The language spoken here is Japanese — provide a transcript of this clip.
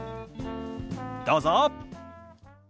どうぞ。